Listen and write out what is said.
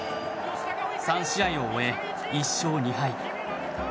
３試合を終え、１勝２敗。